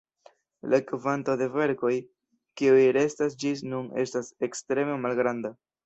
La kvanto de verkoj, kiuj restas ĝis nun estas ekstreme malgranda.